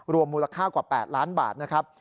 มูลค่ากว่า๘ล้านบาทนะครับ